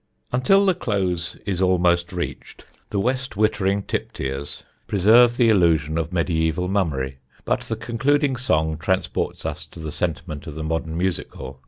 _] Until the close is almost reached the West Wittering Tipteers preserve the illusion of mediæval mummery. But the concluding song transports us to the sentiment of the modern music hall.